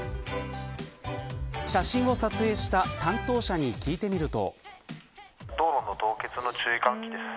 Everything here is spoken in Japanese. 写真を撮影した担当者に聞いてみると。